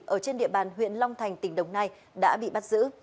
ở trên địa bàn huyện long thành tỉnh đồng nai đã bị bắt giữ